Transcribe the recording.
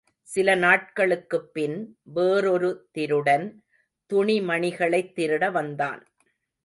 சில நாட்களுக்குப் பின், வேறொரு திருடன் துணிமணிகளைத் திருட வந்தான்.